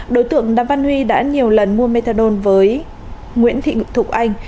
đối tượng đàm văn huy đã nhiều lần mua methadone với nguyễn thị thục anh